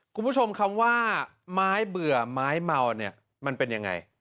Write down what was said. คุณผู้ชมคำว่าไม้เบื่อไม้เมาเนี่ยมันเป็นยังไง